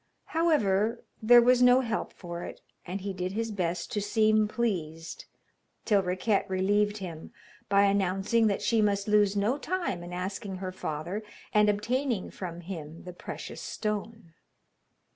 However, there was no help for it, and he did his best to seem pleased, till Riquette relieved him by announcing that she must lose no time in asking her father and obtaining from him the precious stone.